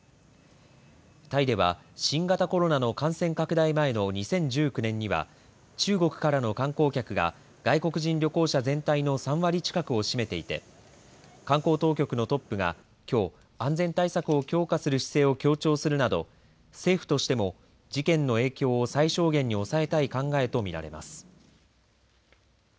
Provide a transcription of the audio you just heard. タイでは新型コロナの感染拡大前の２０１９年には中国からの観光客が外国人旅行者全体の３割近くを占めていて観光当局のトップがきょう安全対策を強化する姿勢を強調するなど、政府としても事件の影響を最小限に抑えたい考えと見られます。